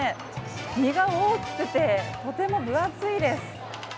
身が大きくて、とても分厚いです。